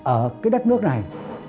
ở cái đất nước này